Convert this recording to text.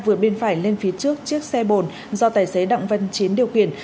tài xế ô tô bảy chỗ vượt phải lên phía trước chiếc xe bồn do tài xế đặng văn chiến điều khiển